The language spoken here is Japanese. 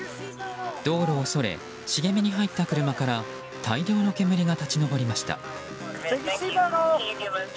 道路をそれ、茂みに入った車から大量の煙が立ち上りました。